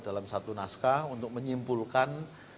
dalam satu naskah untuk menyimpulkan